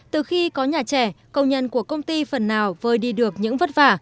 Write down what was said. từ khi có nhà trẻ công nhân của công ty phần nào vơi đi được những vất vả